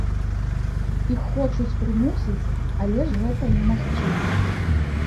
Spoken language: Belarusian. Іх хочуць прымусіць, але ж гэта немагчыма.